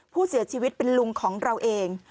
ผู้เสียชีวิตเป็นลุงของเราเอง